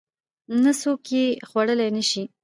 نه څوک يې خوړى نشي.